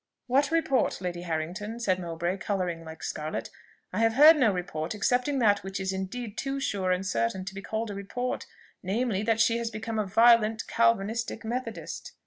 "What report, Lady Harrington?" said Mowbray, colouring like scarlet. "I have heard no report, excepting that which is indeed too sure and certain to be called a report; namely, that she has become a violent Calvinistic Methodist."